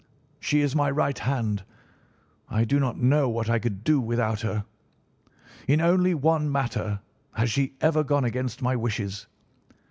She is my right hand. I do not know what I could do without her. In only one matter has she ever gone against my wishes.